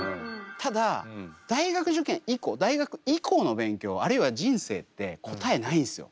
ただ大学受験以降大学以降の勉強あるいは人生って答えないんですよ。